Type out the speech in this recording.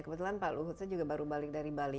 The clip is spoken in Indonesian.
kebetulan pak luhut saya juga baru balik dari bali